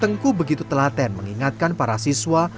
tengku begitu telaten mengingatkan para siswa